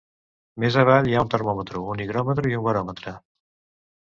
Més avall hi ha un termòmetre, un higròmetre i un baròmetre.